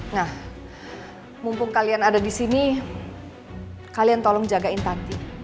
nah mumpung kalian ada disini kalian tolong jagain tanti